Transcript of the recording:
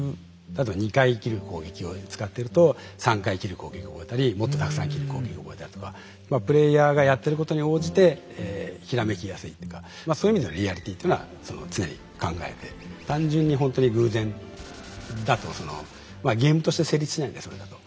例えば２回斬る攻撃を使ってると３回斬る攻撃を覚えたりもっとたくさん斬る攻撃を覚えたりとかプレイヤーがやってることに応じて閃きやすいとかまあそういう意味でのリアリティっていうのは常に考えて単純にほんとに偶然だとゲームとして成立しないんでそれだと。